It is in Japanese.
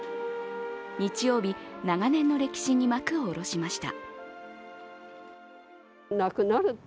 日曜日、長年の歴史に幕を下ろしました。